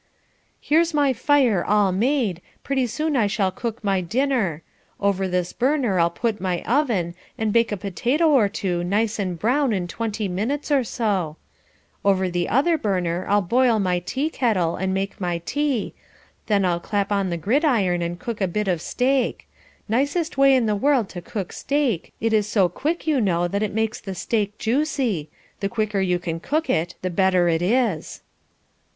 "Here's my fire all made, pretty soon I shall cook my dinner; over this burner I'll put my oven, and bake a potato or two nice and brown in twenty minutes or so; over the other burner I'll boil my tea kettle and make my tea, then I'll clap on the gridiron and cook a bit of steak; nicest way in the world to cook steak, it is so quick, you know that makes steak juicy; the quicker you can cook it the better it is."